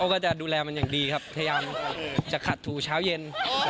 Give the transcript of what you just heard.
ก็จะดูแลมันอย่างดีครับพยายามจะขัดถูเช้าเย็น